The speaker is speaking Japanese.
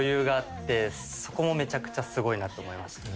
そこもめちゃくちゃすごいなと思いました。